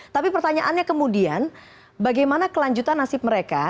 tapi pertanyaannya kemudian bagaimana kelanjutan nasib mereka